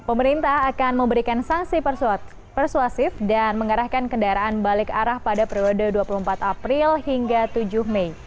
pemerintah akan memberikan sanksi persuasif dan mengarahkan kendaraan balik arah pada periode dua puluh empat april hingga tujuh mei